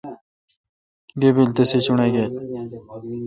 گیبل تسے چوݨاگیل ۔